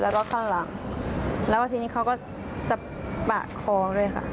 แล้วก็ข้างหลังแล้วทีนี้เขาก็จะปาดคอด้วยค่ะ